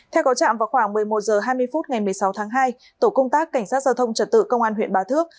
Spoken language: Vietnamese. theo có trạm vào khoảng một mươi một h hai mươi phút ngày một mươi sáu tháng hai tổ công tác cảnh sát giao thông trật tự công an huyện bá thước